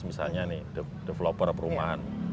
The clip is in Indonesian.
misalnya nih developer perumahan